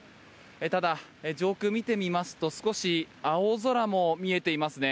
ただ上空見てみますと少し青空も見えていますね。